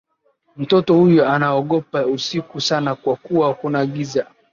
Mtoto huyu anaogopa usiku sana kwa kuwa kuna giza.